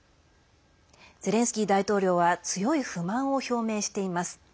ゼレンスキー大統領は強い不満を表明しています。